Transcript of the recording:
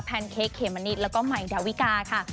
แพนเคกเขมณิแล้วก็ไหมดาวิกาค่ะ